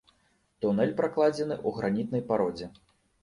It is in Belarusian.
Тунэль пракладзены ў гранітнай пародзе.